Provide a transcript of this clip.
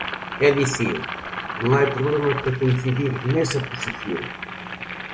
E dicir, non hai problema para coincidir nesa posición.